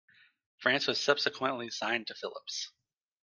France was subsequently signed to Philips.